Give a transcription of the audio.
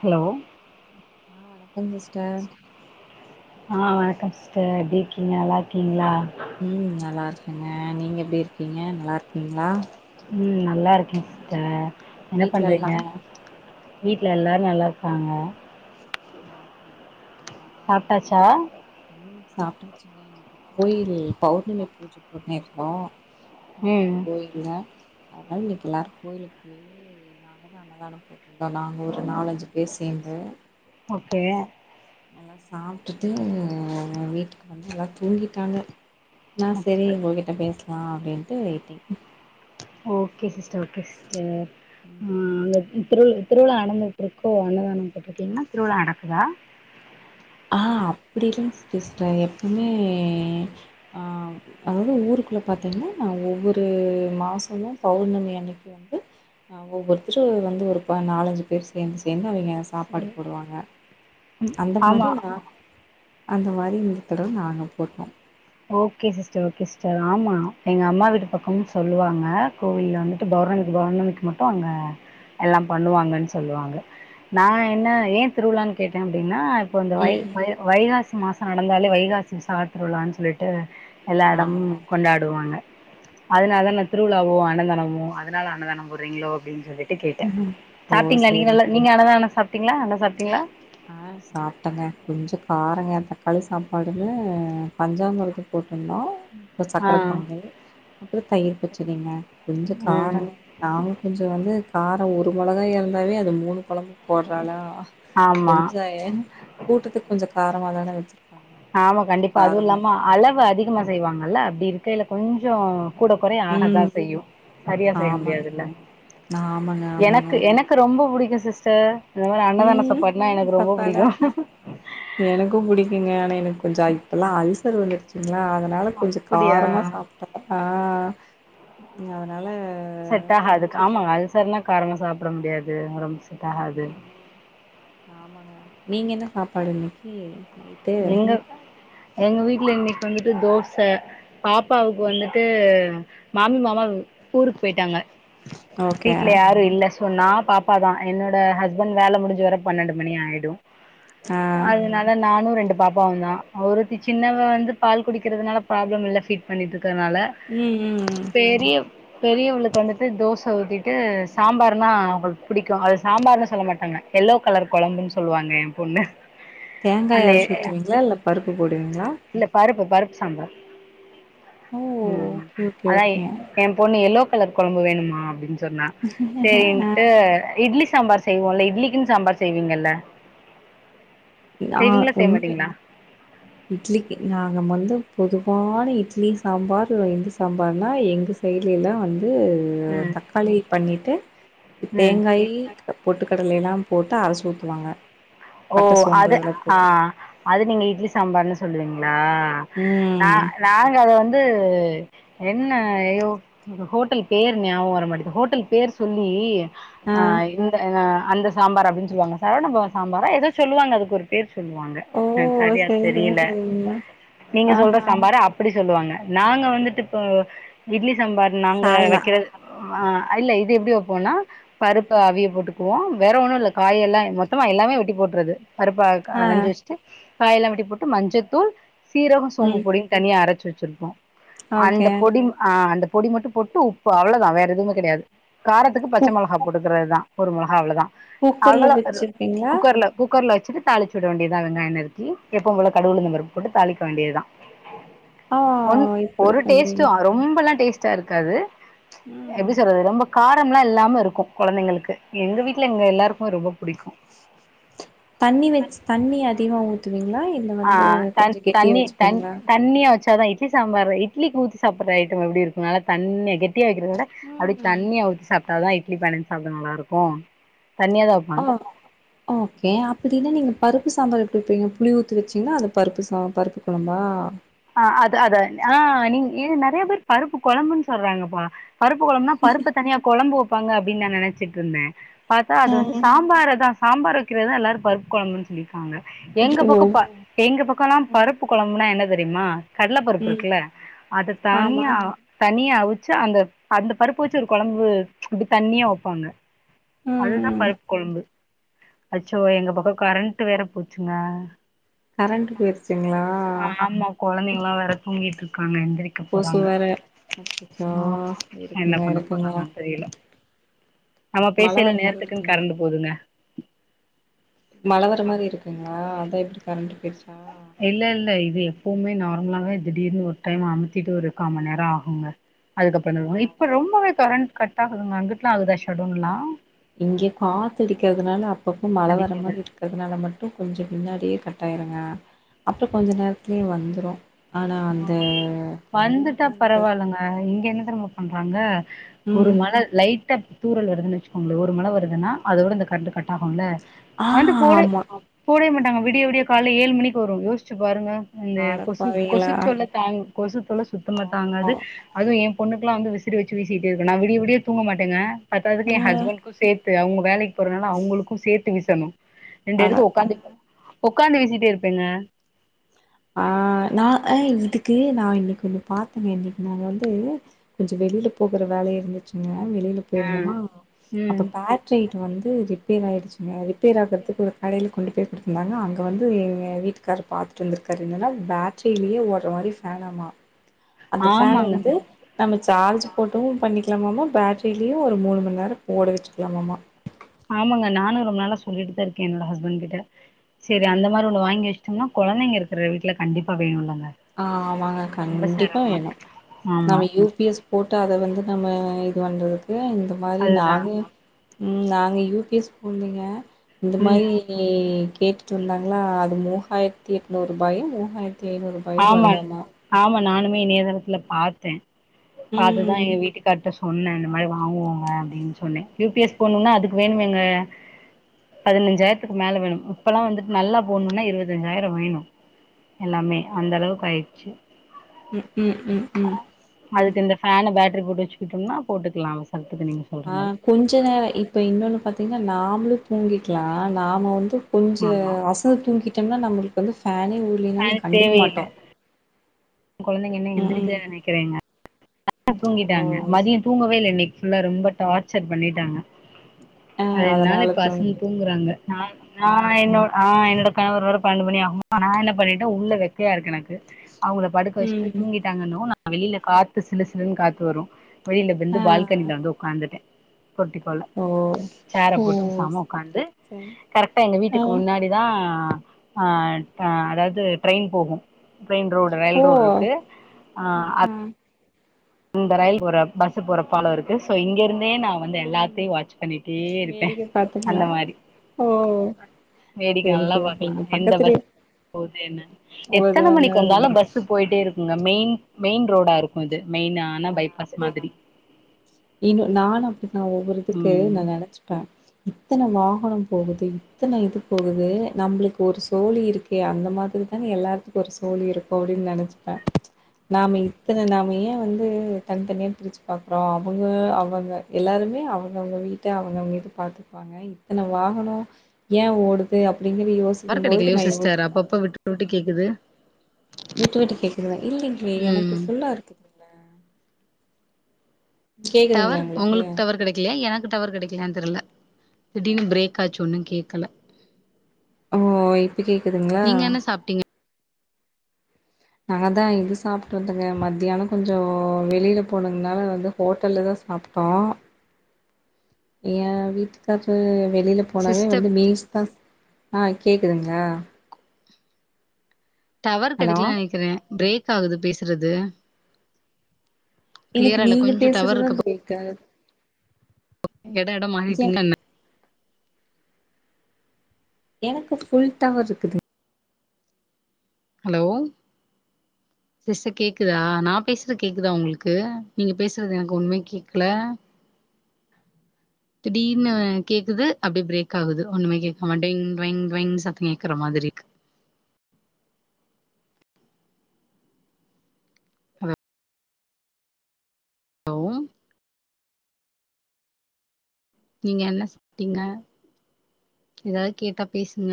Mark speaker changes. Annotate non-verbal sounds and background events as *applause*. Speaker 1: hello
Speaker 2: ஆ வணக்கம் sister
Speaker 1: ஆ வணக்கம் சஸ்டர் எப்டி இருக்கீங்க நல்லா இருக்கீங்ளா
Speaker 2: ம் நல்லா இருக்கேங்க நீங்க எப்டி இருக்கீங்க நல்லா இருக்கீங்ளா
Speaker 1: ம் நல்லா இருக்கே சிஸ்டர் என்ன
Speaker 2: வீட்ல எல்லா
Speaker 1: பண்றீங்க வீட்ல
Speaker 2: நான்
Speaker 1: எல்லாரு நல்லா இருக் அங்க
Speaker 2: ஆ ஓகேங்க ஓகேங்ண்ணா
Speaker 1: சாப்ட்டாச்சா
Speaker 2: ம் சாப்பிட்டுச்சுங்க இன்னைக்கு கோயில் பௌர்ணமி பூஜ பண்ணி இருந்தோ ம் கோயில அதனால இன்னைக்கு எல்லாரு கோயிலுக்கு பேயி நாங்க தா அன்னதானம் போட்ருந்தோ நாங்க ஒரு நாலுஞ்சு பேர் சேந்து
Speaker 1: ஓகேயா
Speaker 2: எல்லா சாப்பிட்டுட்டு வீட்டுக்கு வந்து எல்லா தூங்கிட்டாங்க நா சரி
Speaker 1: அப்
Speaker 2: உங்ககிட்ட பேசலா அப்டின்ட்டு waiting
Speaker 1: okay sister okay sister
Speaker 2: ம்
Speaker 1: *unintelligible* திருவிழா அ நடந்துகட்டு இர்க்கோ அன்னதானோ போட்ருக்கீங்கன்னா திருவிழா நடக்குதோ
Speaker 2: ஆ அப்டில்ல சிஸ்டர் எப்பவுமே ஆ அதாவுது ஊருக்குள்ள பாத்தீங்கன்னா நா ஒவ்வொரு மாசமு பௌர்ணமி அன்னக் வந்து நாங்க ஒவ்வொருத்தரு வந்து ஒரு நாலஞ்சு பேர் சேந்து சேந்து அவுங்க
Speaker 1: சரி
Speaker 2: சாப்பாடு போடுவாங்க
Speaker 1: ம்
Speaker 2: அந்த
Speaker 1: ஆமா
Speaker 2: மாதிரி நா அந்த மாதிரி இந்த தடவ நாங்க photo
Speaker 1: okay sister okay sister ஆமா எங்க அம்மா வீட்டு பக்கோனு சொல்லுவாங்க கோவில்ல வந்துட்டு பௌர்ணமிக்கு பௌர்ணமிக்கு மட்டு அங்க எல்லா பண்ணுவாங்கன்னு சொல்லுவாங்க நா என்ன ஏ திருவிழான்னு கேட்டே அப்டின்னா இப்போ இந்த வை
Speaker 2: ம்
Speaker 1: வ வைகாசி மாசோ நடந்தாலே வைகாசி விசால திருவிழாலானு சொல்லிட்டு எல்லா
Speaker 2: ஆ
Speaker 1: எடமும் கொண்டாடுவாங்க அதனால தா திருவிழாவோ அன்னதானமோ அதனால அன்னதானோ போடுறீங்களோ அப்படின்னு சொல்லி ட்டு கேட்டே
Speaker 2: ஓ
Speaker 1: சாப்ட்டீங்களா நீ
Speaker 2: சேரி
Speaker 1: நீங்கன அன்னதானோ சாப்ட்டீங்களா அன்ன சாப்ப
Speaker 2: ஆ சாப்பிட்டேங்க கொஞ்சோ காரங்க தக்காளி சாப்பாடுனு பஞ்சாமிர்தம் போட்ருந்தோ இப்போ
Speaker 1: ஆ
Speaker 2: சக்கர பொங்கல் அப்றோ தயிர் பச்சிடிங்க கொஞ்சோ காரோ
Speaker 1: ம்
Speaker 2: நாங்க கொஞ்சோ வந்து காரோ ஒரு மொளகாக இருந்தாவே அது மூணு கொழம்புக்கு போடுறாலா
Speaker 1: ஆமா
Speaker 2: என்ஜாய் கூட்டத்துக்கு கொஞ்சோ காரம தானே வச்சிருப்பாங்க அதனால
Speaker 1: ஆமா
Speaker 2: கொஞ்சோ
Speaker 1: கண்டிப்பா அதுவு
Speaker 2: காரமா
Speaker 1: இல்லாம அளவு அதிகமா செய்வாங்கல்ல அப்டி இருக்கைல கொஞ்சோ கூட கொறைய ஆக தா
Speaker 2: ம்
Speaker 1: செய்யு சரியா செய்ய
Speaker 2: ஆமாங்க
Speaker 1: முடியாதுல்ல
Speaker 2: ஆமாங்க ஆமாங்க
Speaker 1: எனக்கு எனக் எனக்கு ரொம்ப பிடிக்கு சிஸ்டர் இந்த மாதிரி அன்னதானதா
Speaker 2: ம்
Speaker 1: சாப்பாடுண்ணா எனக்கு ரொம்ப
Speaker 2: சாப்பாடா
Speaker 1: பிடிக்கு
Speaker 2: எனக்கு பிடிக்குங்க ஆனா எனக்கு கொஞ்சோ இப்பெல்லா அலசர் வந்துருச்சுங்களா அதனால கொஞ்சோ
Speaker 1: அப்டியா
Speaker 2: காரமா சாப்ட்ட ஆ அதனால
Speaker 1: செட் ஆகாது
Speaker 2: கொஞ்சோ
Speaker 1: ஆமா
Speaker 2: காரோ
Speaker 1: அல்சர்னா காரம சாப்பிட முடியாது செட் ஆகாது
Speaker 2: ஆமாங்க நீங்க என்ன சாப்பாடு இன்னைக்கி நை
Speaker 1: எங்க எங்க வீட்ல இன்னக்கி வந்துட்டு தோச பாப்பாவுக்கு வந்துட்டு மாமி மாமா ஊருக்கு போயிட்டாங்க
Speaker 2: ஓகே
Speaker 1: வீட்ல யாரு இல்ல சோ நா பாப்பா தா என்னோட ஹஸ்பண்ட் வேல முடிஞ்சு வர பன்னெண்டு மணி ஆயிடு
Speaker 2: ஆ
Speaker 1: அதனால நானு ரெண் பாப்பாவு தா ஒருத்தி சின்னவ வந்து பால் குடிக்கிறதுனால ப்ராப்ளம் இல்ல ஃபீட் பண்ணிட்டு இருக்கறதுனால
Speaker 2: ம் ம் ம்
Speaker 1: பெரிய பெரியவளுக்கு வந்துட்டு தோச ஊத்திட்டு சாம்பார்னா அவங்களுக்கு புடிக்கு அது சாம்பார்ன்னு சொல்ல மாட்டாங்க எல்லோ கலர் கொழம்புன்னு சொல்லுவாங்க எ பொண்ணு
Speaker 2: தேங்கா
Speaker 1: அந்த
Speaker 2: அரச்சி ஊத்துவீங்களா இல்ல பருப்பு போடுவீங்களா
Speaker 1: இல்ல பருப்பு பருப்பு சாம்பார்
Speaker 2: ஓ
Speaker 1: ம்
Speaker 2: ஓகே ஓகே
Speaker 1: அதா
Speaker 2: ஓகே
Speaker 1: எ பொண்ணு எல்லோ கலர் கொழம்பு வேணுமா அப்டின்னு சொன்னா சரின்ட்டு இட்லி சாம்பார் செய்வோல்ல இட்லிக்குன்னு சாம்பார் செய்வீங்கல்ல
Speaker 2: ஆ
Speaker 1: செய்வீங்களா செய்ய
Speaker 2: உண்வே
Speaker 1: மாட்டீங்களா
Speaker 2: இட்லிக்கு நாங்க வந்து பொதுவான இட்லி சாம்பார் இந்து சாம்பார்னா எங்க டெய்லியுலா வந்து
Speaker 1: ம்
Speaker 2: தக்காளி பண்ணிட்டு
Speaker 1: ம்
Speaker 2: தேங்காய் பொட்டுக்கடலயெல்லா போட்டு அரசு ஊத்துவாங்க
Speaker 1: ஓ
Speaker 2: பட்ட சோம்பு
Speaker 1: அத
Speaker 2: இதெல்லா
Speaker 1: ஆ
Speaker 2: போட்டு
Speaker 1: அது நீங்க இட்லி சாம்பார்ன்னு சொல்லுவீங்களா நா
Speaker 2: ம்
Speaker 1: நாங்க அத வந்து என்ன ஐயோ ஹோட்டல் பேர் ஞாபம் வர மாட்டது ஹோட்டல் பேர் சொல்லி ஆ இந்த அந்த சாம்பார் அப்டின்னு சொல்லுவாங்க சரணவன பவன் சாம்பாரா எதோ சொல்லுவாங்க அது குறி பேர் சொல்லுவாங்க
Speaker 2: ஓ
Speaker 1: சரியா
Speaker 2: செரி செரி
Speaker 1: தெரில
Speaker 2: செரிங்க
Speaker 1: நீங்க சொல்ற
Speaker 2: ஆஹா
Speaker 1: சம்பார அப்டி சொல்லுவாங்க நாங்க வந்துட்டு இப்போ இட்லி சாம்பார் நாங்க
Speaker 2: சால்னா
Speaker 1: வைக்கறது ஆ இல்ல இது எப்டி வப்போனா பருப்ப அவிய போட்டுக்குவோ வேற ஒன்னு இல்ல காய எல்லா மொத்தமா எல்லாமே ட்டி போட்டுறது பருப்பா
Speaker 2: ஆ
Speaker 1: கலைஞ்சு வச்சிட்டு காய எல்லா வெட்டி போட்டு மஞ்சத்தூள் சீரகம் சோம்பு
Speaker 2: ம்
Speaker 1: பொடினு தனியா அரைச்சு வச்சிருப்போ அந்த
Speaker 2: ஓகே
Speaker 1: பொடி ஆ அந்த பொடி மட்டு போட்டு உப்பு அவ்ளதா வேற எதுமே கெடையாது காரத்துக்கு பச்ச
Speaker 2: குக்
Speaker 1: மொள ந போட்டுக்கறதுதா ஒரு மொளகா அவ்ளதா
Speaker 2: குக்கர்ல
Speaker 1: அவ்ளோ
Speaker 2: வச்சிருப்பீங்களா
Speaker 1: ல்ல குக்கர்ல வச்சுட்டு தாளிச்ச விட வேண்டியதா வெங்காயோ நறுக்கி எப்பவு போல கடுவுலந்த பருப்பு போட்டு தாளிக்க வேண்டியதா
Speaker 2: ஆ
Speaker 1: ஒன்
Speaker 2: இப்டி
Speaker 1: ஒரு
Speaker 2: பண்றீங்க
Speaker 1: டேஸ்ட்டு ரொம்பெல்லா டேஸ்ட் டா இருக்காது
Speaker 2: ம்
Speaker 1: எப்டி
Speaker 2: ம்
Speaker 1: சொல்றது ரொம்ப காரம்லா இல்லாம இருக்கு குழந்தைங்களுக்கு எங்கள் வீட்ல எங்க எல்லாருக்குமே ரொம்ப புடிக்கு
Speaker 2: தண்ணி வச் தண்ணி அதிகமா ஊத்துவீங்களா இல்
Speaker 1: ஆ த தண்ணி தன் த தண்ணியா வச்சாதா இட்லிசாம்பாரு இ்ட்லிக்கு ஊத்தி சாப்பட்ற ஐட்டம் எப்டி இருக்கு நல்ல தண்ணியா கெட்டியா வக்கிறத விட அப்டி
Speaker 2: ம்
Speaker 1: தண்ணியா ஊத்தி சாப்ட்டாத தா இட்லி பெனஞ்சு சாப்ட்டாத நல்லா இருக்கு தண்ணியா தா
Speaker 2: ஆமா ஓகே அப்டின்னா நீங்க பருப்பு சாம்பார் எப்டி வப்பீங்க புளி ஊத்தி வச்சிங்கன்னா அது பருப்பு சாம் பருப்பு கொழம்பா
Speaker 1: ஆ அது அத ஆ நீ நெறைய பேர் பருப்பு கொழம்புன்னு சொல்றாங்கப்ப பருப்பு கொழம்புனா பருப்ப தனியா கொழம்பு வப்பாங்க அப்டின்னு நா நெனைச்சிட்டு இருந்த பாத்தா அது வந்து சாம்பார தா சாம்பார் வக்கிறதுதா எல்லாரு பருப்பு கொழம்புன்னு சொல்லிருக்காங்க எங்க
Speaker 2: ஓ
Speaker 1: பக்கம் எங்க பக்கோ ல்லா பருப்பு கொழம்புனா என்ன தெரியுமா கடல பருப்பு
Speaker 2: ம்
Speaker 1: இருக்குல்ல அத
Speaker 2: ஆமா
Speaker 1: தனியா தனியா அவிச்சு அந்த அந்த பருப்பு வச்சு ஒரு கொழம்பு அப்டி தண்ணியா வப்பாங்க அதுதா
Speaker 2: ம் ம்
Speaker 1: பருப்பு கொழம்பு அச்சோ எங்க பக்கோ கரண்ட் ட்டு வேற போச்சுங்க
Speaker 2: கரண்ட்டு போய்ருச்சுங்களா
Speaker 1: ஆமா கொழந்தைகல்லா வேற தூங்கிட்ருக்காங்க எந்திரிக்
Speaker 2: கொசு
Speaker 1: போறாங்க
Speaker 2: வேற அச்சச்சோ
Speaker 1: ஆமா என்ன
Speaker 2: இருக்குங்க
Speaker 1: பண்ண
Speaker 2: இருக்குங்க
Speaker 1: போறாங்கன் தெரியல நம்ம
Speaker 2: மழ
Speaker 1: பேசியில
Speaker 2: வர மாரி
Speaker 1: நேரத்துக்குன்னு
Speaker 2: இருக்குங்க
Speaker 1: கரண்டு போதுங்க
Speaker 2: மழை வர மாரி இருக்குங்களா அதா இப்டி கரண்ட் போயிடுச்சா
Speaker 1: இல்ல இல்ல இது எப்போவுமே நார்மலாவே திடீர்னு ஒரு டைம் அமுத்திட்டு ஒரு காம் மண் நேரோ ஆகுங்க அதுக்கப்பறோந்தா வரு
Speaker 2: ஆமா
Speaker 1: இப்ப ரொம்பவே கரண்ட் கட் ஆகுதுங்க அங்கட்டுலா ஆகுதா ஷடோன்லா
Speaker 2: இங்க காத்து அடிக்கிறதுனால அப்ப அப்ப மழ வர
Speaker 1: அடிக்குது
Speaker 2: மாரி இருக்கு ன்றதுனால மட்டு கொஞ்ச பின்னாடியே கட்டாயிருங்க அப்றோ கொஞ்ச நேரத்துலயு வந்துரு ஆனா அந்த
Speaker 1: ஆ இங்க என்ன தெரியும பண்றாங்க ஒரு
Speaker 2: ம்
Speaker 1: மழ லைட் ட்டா தூரல் வருதுனு வச்சுகோங்களேன் ஒரு மழ வருதுன்னா அதோட இந்த கரன்டு கட்டாகுல்ல
Speaker 2: ஆ
Speaker 1: வந்து போடு
Speaker 2: ஆமா
Speaker 1: போடவே மாட்டாங்க விடிய விடிய கால்ல ஏழு மணிக்கு வரு யோசிச்சு பாருங்க இந்த கொசு கொசு
Speaker 2: அடப்பாவிங்களா
Speaker 1: தொல்ல தாங் கொசு தொல்ல சுத்தமா
Speaker 2: ஆமா
Speaker 1: தாங்காது அதுவு என் பொண்ணுக்குல்லா வந்து விசிறி வச்சுகிட்டு இருக்கனா விடிய விடியே தூங்க மாட்டேங்க பாத்ததுக்கு எ
Speaker 2: ம்
Speaker 1: ஹஸ்பண்ட் சேத்து அவுங்க வேலைக்கு போறனால அவுங்களுக்கு சேத்து விசணு ரெண்டு பேருக்கும்
Speaker 2: அட
Speaker 1: உக்காந்து ஒக்காந்து வீசிட்டே இருப்பேங்க
Speaker 2: ஆ நா அ இதுக்கு நா இன்னைக்கு நா ஒன்னு பாத்தங்க இன்னைக்கு நா வந்து கொஞ்ச வெளியில போகுற வேலைய இருந்துச்சுங்க வெளியில
Speaker 1: ஆ
Speaker 2: போயிருந்தமா அப்ப
Speaker 1: ம்
Speaker 2: பேட்ரிட் வந்து ரிப்பேர் ஆயிடுச்சுங்க ரிப்பேர் ஆகறதுக்கு ஒரு கடையில கொண்டு போய் கொடுத்துருந்தாங்க அங்க வந்து எ எங்க வீட்டுக்காருர் பாத்துட்டு வந்துருக் கடையிலென்னா பேட்டரியிலேயே ஓட்ற மாரி பேன்னாம அந்த ஃபேன்
Speaker 1: ஆமாங்க
Speaker 2: வந்து நம்ம சார்ஜ் போட்டு பண்ணிக்கலாமாம்மா பேட்ரிலியு ஒரு மூண் மணி நேரோ ஓட வச்சுக்கலாமாம்மா
Speaker 1: ஆமாங்க நானு ரொம்ப நாளா சொல்லிட்டுதா இருக்கே என்னோட ஹஸ்பண்ட் கிட்ட செரி அந்த
Speaker 2: ம்
Speaker 1: மாரி ஒண்ணு வாங்கி வச் சின்ன கொழந்தைங்க இருக்குற வீட்டுல கண்டிப்பா வேணுலங்க
Speaker 2: ஆ ஆமாங்க கண்டிப்பாக வேணு
Speaker 1: ஆமா
Speaker 2: நம்ம யூ பி எஸ் போட்டு அத வந்து நம்ம இது வண்றதுக்கு இந்த மாரி
Speaker 1: அதுதா
Speaker 2: நானு நாங்க யூபிஎஸ் ஸ்கூலுங்க இந்த
Speaker 1: ம்
Speaker 2: மாரி லி கேட்டுட்ருந்தாங்களா அது மூஹாயிரத்தி எட்னூர் ரூபாயோ மூஹாயிரத்தி ஐநூறு ரூபா
Speaker 1: ஆமா ஆமா நானுமே இணையதளத்துல பாத்தே அதுதா
Speaker 2: ம்
Speaker 1: எங்க வீட்டுக்கு கரெக்டா சொன்னே இந்த மாரி வாங்குவோங்க அப்டின்னு சொன்னே யூ பி எஸ் போட்னுன்னா அதுக்கு வேணுமெங்க பதுனஞ்சாயிரத்துக்கு மேல வேணு இப்பெல்லா வந்துட்டு நல்லா போணும்னா இருவத்தஞ்சாயிரோ வேணு எல்லாமே அந்த அளவுக் ஆய்ட்ச்சு
Speaker 2: ம் ம் ம் ம் ம்
Speaker 1: அதுக்கு இந்த ஃபேனு பேட்ரி போட்டு வச்சுக்கிட்டம்னா போட்டுக்லா அவசரத்துக்கு நீங்க சொல்ற
Speaker 2: ஆ
Speaker 1: மாரி
Speaker 2: கொஞ்ச நேரோ இப்போ இன்னொன்னு பாத்திங்கன்னா நாமளும் தூங்கிக்கலா நாம வந்து கொஞ்ச
Speaker 1: ஆமா
Speaker 2: அசந்து தூங்கிட்டம்னா நம்மளுக்கு வந்து ஃபேனே ஓ ட்லேனாலு
Speaker 1: ஃபேன்
Speaker 2: கண்டுக்க
Speaker 1: தேவையில்ல
Speaker 2: மாட்டோ
Speaker 1: கொழந்தைங்க இன்னு
Speaker 2: ம் ம்
Speaker 1: எந்திருக்கலேனு நெனக்கிறேங்க அ அ
Speaker 2: ஓ
Speaker 1: தூங்கிட்டாங்க மதியோ தூங்கவே இல்ல இன்னைக்கு ஃபுல்லா ரொம்ப டார்ச்சர் பண்ணிட்டாங்க
Speaker 2: ஆ
Speaker 1: அதுனால
Speaker 2: அதனால
Speaker 1: இப்ப அசந்து
Speaker 2: தூங்கிட்டே
Speaker 1: தூங்குறாங்க நானு நா என்னோட ஆ என்னோட கணவர் வர பன்னெண்டு மணி ஆகுமா நா என்ன பண்ணிட்டே உள்ள வெக்கையா இருக்கு எனக்கு அவுங்கள படுக்க வச்சுட்டு
Speaker 2: ம்
Speaker 1: தூங்கிட்டாங்கன்னுவு நா வெளியில காத்து சிலு சிலுன்னு காத்து வரு வெயில்ல வெந்து
Speaker 2: ஆ
Speaker 1: பால்கனில வந்து உக்காந்துட்டே கொட்டிக் கொள்ள
Speaker 2: ஓ
Speaker 1: சேர
Speaker 2: ஓ
Speaker 1: போட்டு பேசாம உக்காந்து
Speaker 2: சரி
Speaker 1: கரெக்டா எங்க
Speaker 2: ஆ
Speaker 1: வீட்டுக்கு முன்னாடி தா ஆ ஆ அதாது ட்ரெயின் போகு ட்ரெயின் ரோடு ரயில்
Speaker 2: ஓ
Speaker 1: ரோடு இருக்கு ஆ அத்
Speaker 2: ஆஹா
Speaker 1: அந்த ரயில் போற பஸ் போற பாலோ இருக்கு சோ இங்க இருந்தே நா வந்து
Speaker 2: ம்
Speaker 1: எல்லாத்தையு வாட்ச் பண்ணிட்டே இருப்பே
Speaker 2: வேடிக்க பாத்தீங்களா
Speaker 1: அந்த மாரி
Speaker 2: ஓ
Speaker 1: வேடிக்க
Speaker 2: சரி
Speaker 1: நல்லா
Speaker 2: சரி
Speaker 1: பாக்கலா
Speaker 2: சரிங்க
Speaker 1: எந்த பஸ்
Speaker 2: பக்கத்துலயே
Speaker 1: போது என்னன்னு
Speaker 2: ஒவ்வொரு
Speaker 1: எத்தன
Speaker 2: ஒன்னு
Speaker 1: மணிக்கு வந்தாலு
Speaker 2: இருக்கு
Speaker 1: பஸ் பஸ்சு போயிட்டே இருக்குங்க மெயின் மெயின் ரோடா இருக்கு இது மெயின் ஆனா
Speaker 2: ஆ
Speaker 1: பைபாஸ் மாதிரி
Speaker 2: இன்னு நானு அப்டி ஒவ்வொரு இதுக்கு
Speaker 1: ம்
Speaker 2: நா நெனைச்சிப்ப இத்தனை வாகனோ போகுது இத்தன இது போகுதே நம்மளுக்கு ஒரு சோலி இருக் கே அந்த மாரி தானே எல்லாத்துக்கு ஒரு சோலி இருக்கு அப்புடின்னு நெனைச்சிப்ப நாம இத்தன நாம ஏயே வந் து தனித்தனிய பிரிச்சி பாக்குறோ அவுங்க அவுங்க எல்லாருமே அவங்கவுங்க வீட்ட அவுங்கவுக்கு பாத்துப்பாங்க பாங்க இத்தன வாகனோ ஏ ஓடுது அப்டிங்கற யோசி
Speaker 1: டவர் கேடைக்கலையோ சிஸ்டர் அப்பப்போ விட்டு விட்டு கேடக்குது
Speaker 2: விட்டு விட்டு கேக்குதுதா இல்லிங்லே எனக்கு
Speaker 1: ம்
Speaker 2: ஃபுல்லா இருக்குதுங்க
Speaker 1: டவர் உங்களுக்கு டவர் கெடைக்கலையா எனக்கு டவர் கெடை ஏயா தெர்ல திடீனு பிரேக் ஆச்சு ஒன்னு கேக்கல
Speaker 2: ஓ இப்போ கேக்குதுங்களா
Speaker 1: நீங்க என்ன சாப்ட்டீங்க
Speaker 2: நா தா இது சாப்புட்டு வந்தேங்க மத்தியானோ கொஞ்சோ வெளியில போனங்னால வந்து ஹோட்டல்ல தா சாப் ட்டோ எயா வீட்டுக்காரு வெளியில போனாவே
Speaker 1: சிஸ்டர்
Speaker 2: வந்து மீல்ஸ் தா ஆ கேக்குதுங்ளா
Speaker 1: டவர்
Speaker 2: ஹலோ
Speaker 1: கெடைக்கல நெனைக்கிறே பிரேக் ஆகுது பேசுறது
Speaker 2: எனக்கு
Speaker 1: கிளியரா இல்ல
Speaker 2: நீங்க
Speaker 1: கொஞ்சோ டவர்
Speaker 2: பேசுறதுதா பிரேக்காவுது
Speaker 1: எடோ எடோ மாறிட்டீங்ளா என்ன
Speaker 2: எனக்கு ஃபுல் டவர் இருக்குது
Speaker 1: ஹலோ சிஸ்டர் கேக்குதா நா பேசுறது கேக்குதா உங்களுக்கு நீங்க பேசுறது எனக்கு ஒன்னுமே கேக்கல திடீர்னு கேக்குது அப்டி பிரேக் ஆகுது ஒன்னுமே கேக்க மாட்டி டிங் டுவைங் டுவைங் சத்தம் கேக்குற மாரி இருக்கு ஹலோ நீங்க என்ன சாப்ட்டீங்க ஏதாது கேட்டா பேசுங்க